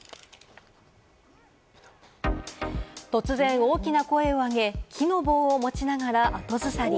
突然、大きな声をあげ、木の棒を持ちながら後ずさり。